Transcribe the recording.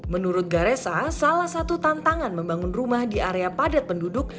menurut garesa salah satu tantangan membangun rumah di area padat penduduk